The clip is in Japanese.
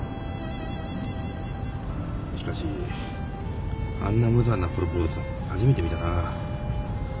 しかしあんな無残なプロポーズは初めて見たな。